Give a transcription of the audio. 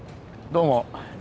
どうも。